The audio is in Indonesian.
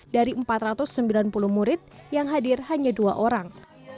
dari empat ratus sembilan puluh murid yang hadir hanya dua orang